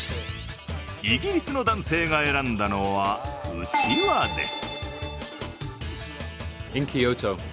イギリスの男性が選んだのは、うちわです。